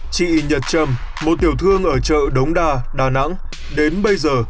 chị nhật trâm một tiểu thương ở chợ đống đa đà nẵng đến bây giờ